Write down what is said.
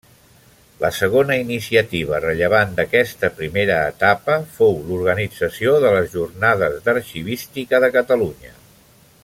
La segona iniciativa rellevant d'aquesta primera etapa, fou l'organització de les Jornades d'Arxivística de Catalunya.